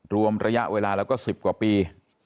รวมระยะเวลาแล้วก็๑๐กว่าปี